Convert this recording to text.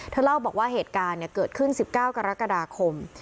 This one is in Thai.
เธอเล่าบอกว่าเหตุการณ์เนี้ยเกิดขึ้นสิบเก้ากรกฎาคม